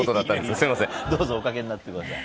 どうぞお掛けになってください。